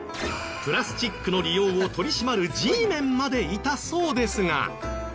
プラスチックの利用を取り締まるＧメンまでいたそうですが。